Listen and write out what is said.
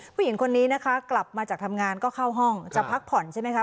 ผู้หญิงคนนี้นะคะกลับมาจากทำงานก็เข้าห้องจะพักผ่อนใช่ไหมคะ